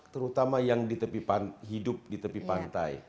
terutama yang hidup di tepi pantai